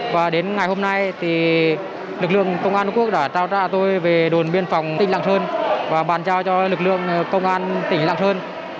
và đến ngày hôm nay thì lực lượng công an quốc đã trao trả tôi về đồn biên phòng tỉnh lạng sơn và bàn giao cho lực lượng công an tỉnh lạng sơn